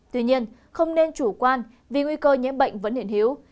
tuy nhiên không nên chủ quan vì nguy cơ nhiễm bệnh vẫn hiện hiếu